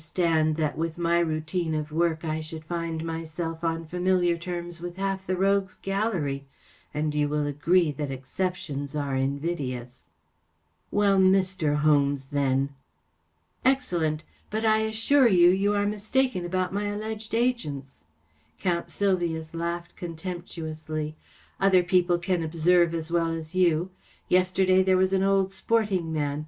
There was a facsimile of his old friend, dressing arid all/" that, with my routine of work, I should find myself on familiar terms with half the rogues' gallery, and you will agree that exceptions are invidious/' " Well, Mr, Holmes, then." M Excellent ! But I assure you you are mistaken about my alleged agents/' Count Sylvius laughed contemptuously. " Other people can observe as well as you* Yesterday there was an old sporting man.